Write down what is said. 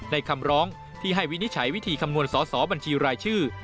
คำร้องที่ให้วินิจฉัยวิธีคำนวณสอสอบัญชีรายชื่อ